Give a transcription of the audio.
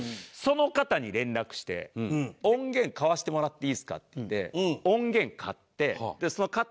その方に連絡して音源買わせてもらっていいですかっていって音源買って。